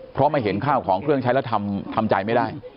เพราะมาเห็นข้าวของเครื่องใช้แล้วทำใจไม่ได้